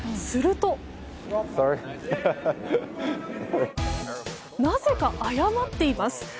するとなぜか、謝っています。